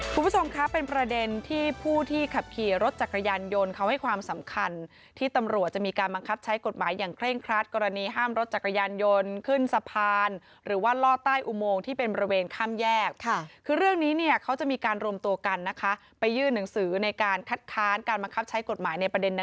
คุณผู้ชมคะเป็นประเด็นที่ผู้ที่ขับขี่รถจักรยานยนต์เขาให้ความสำคัญที่ตำรวจจะมีการบังคับใช้กฎหมายอย่างเคร่งครัดกรณีห้ามรถจักรยานยนต์ขึ้นสะพานหรือว่าล่อใต้อุโมงที่เป็นบริเวณข้ามแยกค่ะคือเรื่องนี้เนี่ยเขาจะมีการรวมตัวกันนะคะไปยื่นหนังสือในการคัดค้านการบังคับใช้กฎหมายในประเด็น